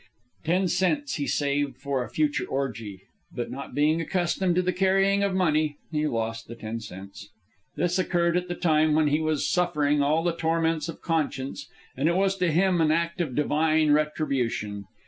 Ten cents he saved for a future orgy; but not being accustomed to the carrying of money, he lost the ten cents. This occurred at the time when he was suffering all the torments of conscience, and it was to him an act of divine retribution.